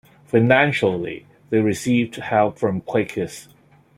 Financially they received help from Quakers.